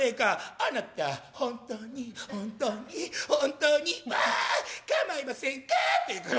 『あなた本当に本当に本当にわっ構いませんか？』って言うんだよ。